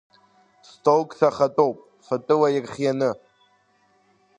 Столк сахатәоуп, фатәыла ирхианы.